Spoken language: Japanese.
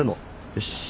よし。